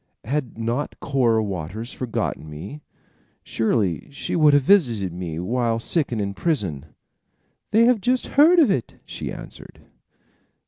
"Had not Cora Waters forgotten me, surely she would have visited me while sick and in prison." "They have just heard of it," she answered.